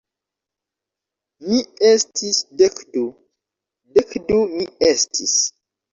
Mi estis dek du... dek du mi estis